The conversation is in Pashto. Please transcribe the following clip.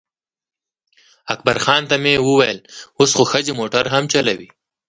اکبرخان ته مې وویل اوس خو ښځې موټر هم چلوي.